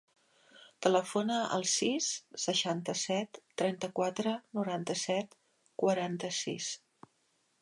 Telefona al sis, seixanta-set, trenta-quatre, noranta-set, quaranta-sis.